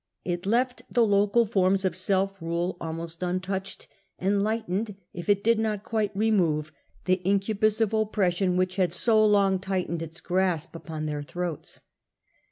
It left the local forms of self rule almost untouched, and lightened, if it did not quite re move, the incubus of oppression which had so long tight ened its grasp upon their throats.